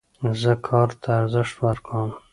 زه کار ته ارزښت ورکوم.